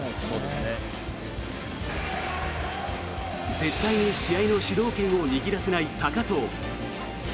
絶対に試合の主導権を握らせない高藤。